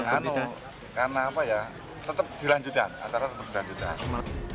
anu karena apa ya tetap dilanjutkan asalnya tetap dilanjutkan